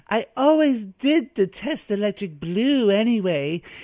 I always did detest electric blue, anyway.